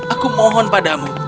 aku mohon padamu